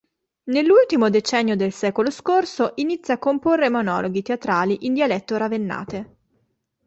Nell'ultimo decennio del secolo scorso inizia a comporre monologhi teatrali in dialetto ravennate.